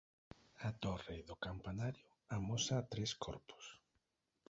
A torre do campanario amosa tres corpos.